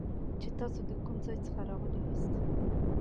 چې تاسو د کوم ځای څخه راغلي یاست